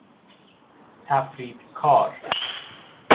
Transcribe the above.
تفریط کار